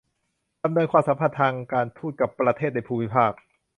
ดำเนินความสัมพันธ์ทางการทูตกับประเทศในภูมิภาค